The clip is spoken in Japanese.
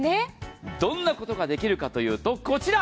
どんなことができるかというとこちら。